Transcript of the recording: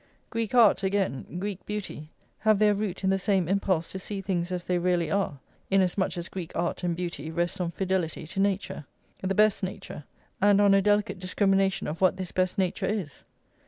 Greek art, again, Greek beauty, have their root in the same impulse to see things as they really are, inasmuch as Greek art and beauty rest on fidelity to nature, the best nature, and on a delicate discrimination of what this best nature is.